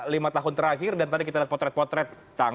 lima tahun terakhir dan tadi kita lihat potret potret